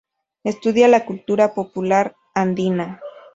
Estudia la cultura popular andina.